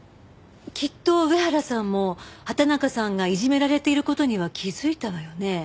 きっと上原さんも畑中さんがいじめられている事には気づいたわよね？